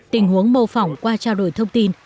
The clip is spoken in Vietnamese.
tình huống mô phỏng qua trao đổi thông tin